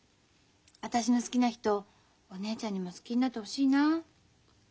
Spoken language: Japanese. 私の好きな人お姉ちゃんにも好きになってほしいな。